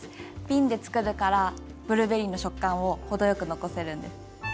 びんで作るからブルーベリーの食感を程よく残せるんです。